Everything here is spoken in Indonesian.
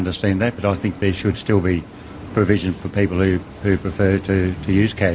tapi saya pikir ada yang harus diberikan untuk orang orang yang lebih suka menggunakan uang tunai